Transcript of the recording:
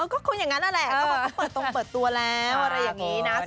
ก็คงอย่างนั้นนั่นแหละก็เปิดตรงเปิดตัวแล้วอะไรอย่างนี้นะ